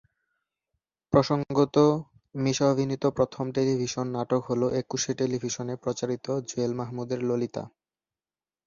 প্রসঙ্গত, মিশা অভিনীত প্রথম টেলিভিশন নাটক হল একুশে টেলিভিশনে প্রচারিত জুয়েল মাহমুদের "ললিতা"।